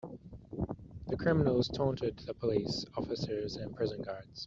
The criminals taunted the police officers and prison guards.